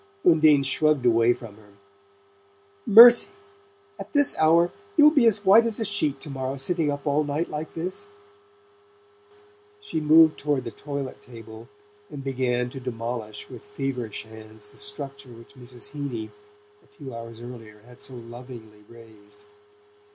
Undine shrugged away from her. "Mercy! At this hour? You'll be as white as a sheet to morrow, sitting up all night like this." She moved toward the toilet table, and began to demolish with feverish hands the structure which Mrs. Heeny, a few hours earlier, had so lovingly raised.